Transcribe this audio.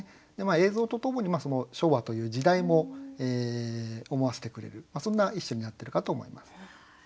映像とともに昭和という時代も思わせてくれるそんな一首になってるかと思います。